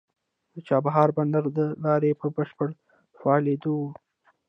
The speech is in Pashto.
د چابهار بندر د لارې په بشپړ فعالېدو